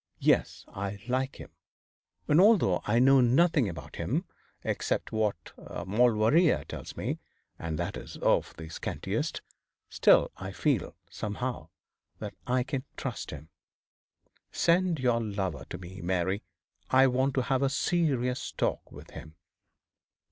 Yes, I like him; and although I know nothing about him except what Maulevrier tells me and that is of the scantiest still I feel, somehow, that I can trust him. Send your lover to me, Mary. I want to have a serious talk with him.'